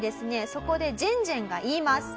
そこでジェンジェンが言います。